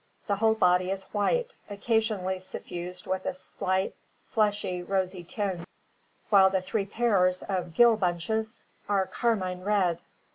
The whole body is white, occasionally suffused with a slight fleshy, rosy tinge, while the three pairs of gill bunches are carmine red.